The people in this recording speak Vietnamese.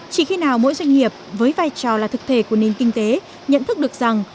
chỉ khi nào mỗi doanh nghiệp với vai trò là thực thể của nền kinh tế nhận thức được rằng